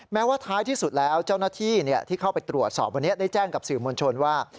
แม้ว่าท้ายที่สุดแล้วเจ้าหน้าที่ที่เข้าไปตรวจสอบวันนี้ได้แจ้งกับสื่อมวลชนว่า